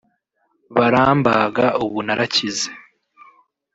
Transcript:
barambaga ubu narakize”